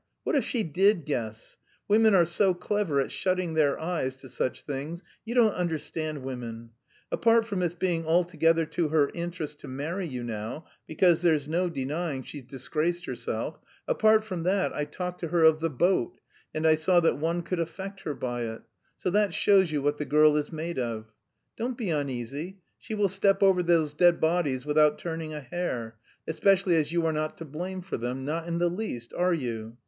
What if she did guess? Women are so clever at shutting their eyes to such things, you don't understand women! Apart from it's being altogether to her interest to marry you now, because there's no denying she's disgraced herself; apart from that, I talked to her of 'the boat' and I saw that one could affect her by it, so that shows you what the girl is made of. Don't be uneasy, she will step over those dead bodies without turning a hair especially as you are not to blame for them; not in the least, are you?